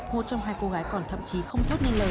một trong hai cô gái còn thậm chí không thoát nên lời